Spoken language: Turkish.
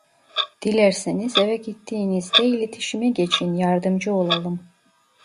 Dilerseniz eve gittiğinizde iletişime geçin yardımcı olalım.